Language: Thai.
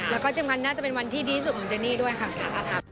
แล้วก็จริงมันน่าจะเป็นวันที่ดีสุดของเจนี่ด้วยค่ะ